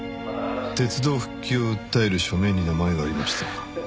鉄道復旧を訴える署名に名前がありました。